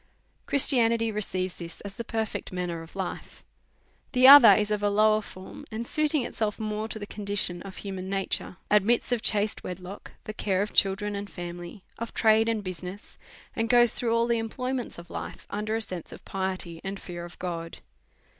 " Christianity receives this as the perfect manner of hfe. " The other is of a lower form, and, suiting itself more to the condition of human nature, admits of chaste wedlock, and care of children and family, of trade and business, and goes through all the employ ments of life under a sense of piety and fear of God.